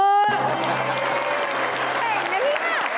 เก่งนะพี่น้ำ